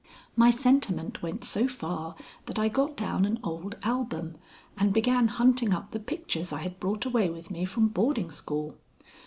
My sentiment went so far that I got down an old album and began hunting up the pictures I had brought away with me from boarding school.